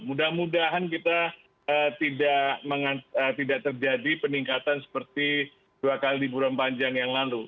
mudah mudahan kita tidak terjadi peningkatan seperti dua kali liburan panjang yang lalu